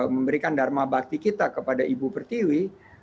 memberikan dharma bakti kita kepada ibu pertiwi